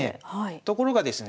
ところがですね